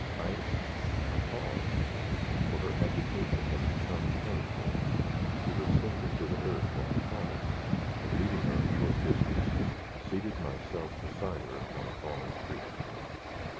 I " I paused, for her agitation had become painful. She was sinking to the earth, when I caught her, and, leading her a short distance, seated myself beside her upon a fallen tree.